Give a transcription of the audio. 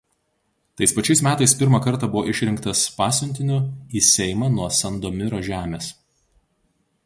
Tais pačiais metais pirmą kartą buvo išrinktas pasiuntiniu į seimą nuo Sandomiro žemės.